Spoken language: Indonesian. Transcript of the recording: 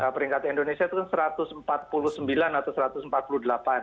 peringkat indonesia itu kan satu ratus empat puluh sembilan atau satu ratus empat puluh delapan